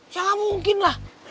ya nggak mungkin lah